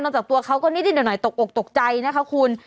นอกจากตัวเขาก็นิดเดี๋ยวหน่อยตกอกตกใจนะคะคุณ